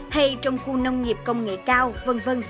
hay trong khu nông nghiệp công nghệ cao v v